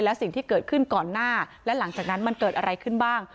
และสิ่งที่เกิดขึ้นก่อนหน้าและหลังจากนั้นมันเกิดอะไรขึ้นบ้าง